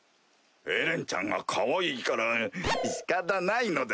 エレンちゃんがかわいいから仕方ないのだ。